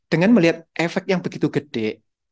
dengan melihat efek yang begitu gede